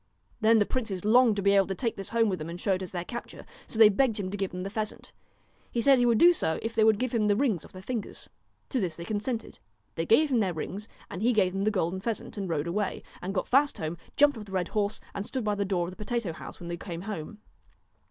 Then the princes longed to be able to take this home with them and show it as their capture. So they begged him to give them the pheasant. He said he would do so if they would give him the rings off their fingers. To this they consented. They gave him their rings, and he gave them the golden pheasant and rode away, and got fast home, jumped off the red horse, and stood by the door of the potato house when they came home.